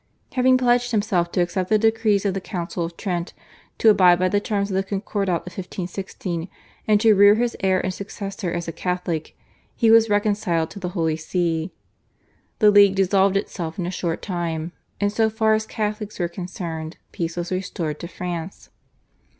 Having pledged himself to accept the decrees of the Council of Trent, to abide by the terms of the Concordat of 1516, and to rear his heir and successor as a Catholic he was reconciled to the Holy See. The League dissolved itself in a short time, and so far as Catholics were concerned peace was restored to France.